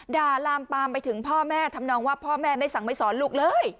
ลามปามไปถึงพ่อแม่ทำนองว่าพ่อแม่ไม่สั่งไม่สอนลูกเลย